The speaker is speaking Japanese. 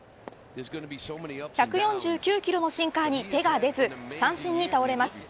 １４９キロのシンカーに手が出ず三振に倒れます。